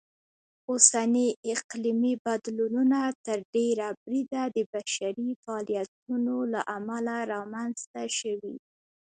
اوسني اقلیمي بدلونونه تر ډېره بریده د بشري فعالیتونو لهامله رامنځته شوي.